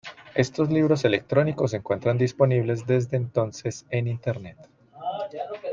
Estos libros electrónicos se encuentran disponibles desde entonces en Internet.